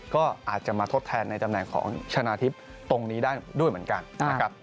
ก็อาจจะมาทดแทนในตำแหน่งของชนะทิพย์ตรงนี้ได้ด้วยเหมือนกันนะครับ